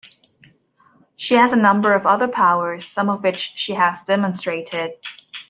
She has a number of other powers, some of which she has demonstrated.